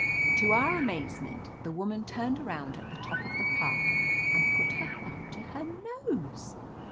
To our amazement, the woman turned around at the top of the path and put her thumb to her nose